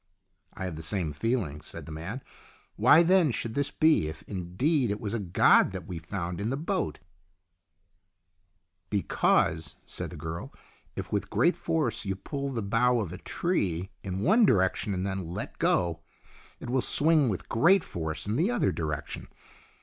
" I have the same feeling," said the man. " Why then should this be if indeed it was a god that we found in the boat ?"" Because," said the girl, " if with great force you pull the bough of a tree in one direction and then let go, it will swing with great force in the other direction.